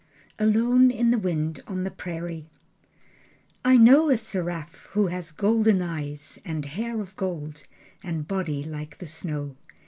Alone in the Wind, on the Prairie I know a seraph who has golden eyes, And hair of gold, and body like the snow.